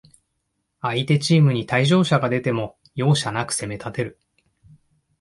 相手チームに退場者が出ても、容赦なく攻めたてる